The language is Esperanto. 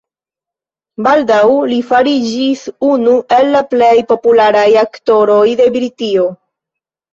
Baldaŭ li fariĝis unu el la plej popularaj aktoroj de Britio.